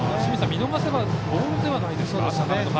見逃せばボールではないですか？